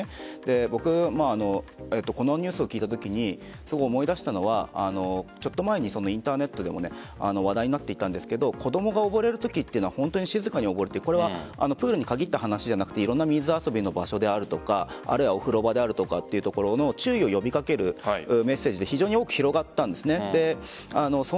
僕、このニュースを聞いたときにすごく思い出したのはちょっと前にインターネットでも話題になっていたんですが子供が溺れるときは本当に静かに溺れてプールに限った話じゃなくていろんな水遊びの場所であるとかお風呂場であるとかというところの注意を呼び掛けるメッセージで多く広がったんです。